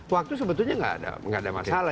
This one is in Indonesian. waktu sebetulnya nggak ada masalah